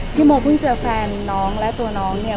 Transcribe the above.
พี่โมพึ่งเจอแฟนน้องเนี่ยและจะน้องเนี่ย